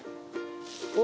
お！